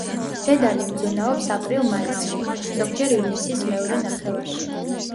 დედალი მძუნაობს აპრილ-მაისში, ზოგჯერ ივნისის მეორე ნახევარში.